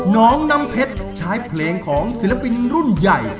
น้องน้ำเพชรใช้เพลงของศิลปินรุ่นใหญ่